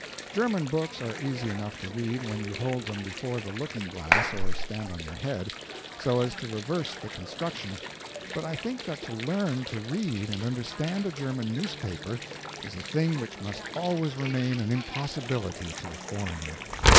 German books are easy enough to read when you hold them before the looking glass or stand on your head so as to reverse the construction but I think that to learn to read and understand a German newspaper is a thing which must always remain an impossibility to a foreigner.